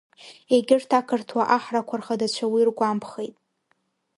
Егьырҭ ақырҭуа аҳрақәа рхадацәа уи ргәамԥхеит.